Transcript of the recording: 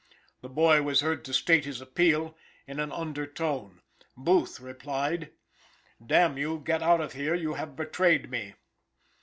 The boy was heard to state his appeal in under tone. Booth replied: "Damn you. Get out of here. You have betrayed me."